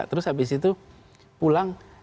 terus habis itu pulang